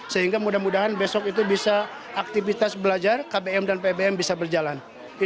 sehingga mudah mudahan besok itu bisa aktivitas belajar kbm dan pbm bisa berjalan